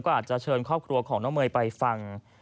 ก็อาจจะเชิญครอบครัวของน้องเมย์ไปฟัง